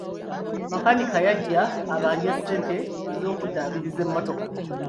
Makanika yajja abanje ssente z'okuddaabiriza e mmotoka.